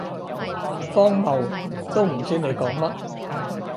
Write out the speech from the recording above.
荒謬，都唔知你講乜